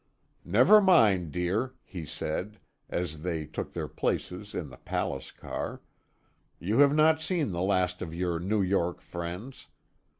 "Never mind, dear," he said, as they took their places in the palace car, "you have not seen the last of your New York friends.